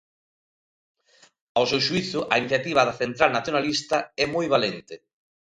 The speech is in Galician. Ao seu xuízo, a iniciativa da central nacionalista é "moi valente".